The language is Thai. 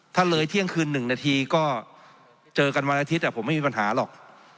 ถ้าเลยเที่ยงคืน๑นาทีก็เจอกันวันอาทิตย์ผมไม่มีปัญหาหรอก